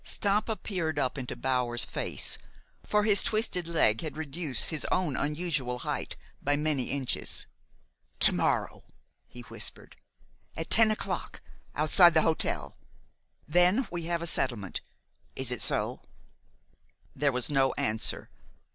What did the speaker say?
Stampa peered up into Bower's face; for his twisted leg had reduced his own unusual height by many inches. "To morrow!" he whispered. "At ten o'clock outside the hotel. Then we have a settlement. Is it so?" There was no answer.